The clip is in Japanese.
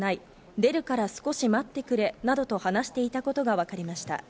出るから少し待ってくれなどと話していたことがわかりました。